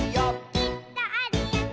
「きっとあるよね」